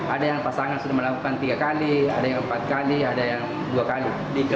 ada yang pasangan sudah melakukan tiga kali ada yang empat kali ada yang dua kali